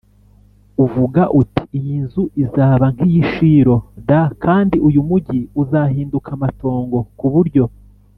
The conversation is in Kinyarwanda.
uvuga uti iyi nzu izaba nk iy i Shilo d kandi uyu mugi uzahinduka amatongo ku buryo